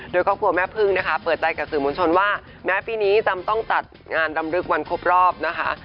โดยครอบครัวแม่พึ่งนะคะเปิดใจกับสื่อมวลชนว่าแม้ปีนี้จำต้องจัดงานรำลึกวันครบรอบนะคะ